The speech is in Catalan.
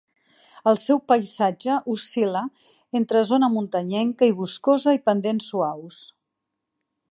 El seu paisatge oscil·la entre zona muntanyenca i boscosa i pendents suaus.